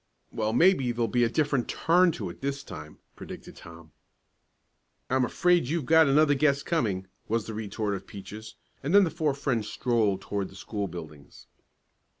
"Well, maybe there'll be a different turn to it this time," predicted Tom. "I'm afraid you've got another guess coming," was the retort of Peaches; and then the four friends strolled toward the school buildings.